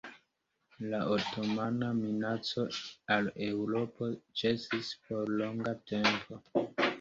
La otomana minaco al Eŭropo ĉesis por longa tempo.